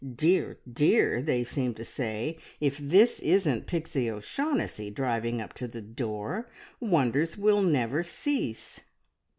"Dear, dear!" they seemed to say. "If this isn't Pixie O'Shaughnessy driving up to the door! Wonders will never cease!"